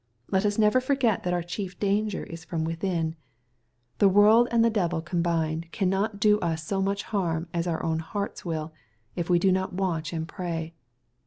Let us never forget that our chief danger is from within. The MATTHSW, GHAF. XT. 179 world and the devil combined, cannot do ns bo much harm as our own hearts will, if we do not watch and pray.